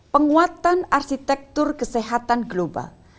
penguatan arsitektur kesehatan global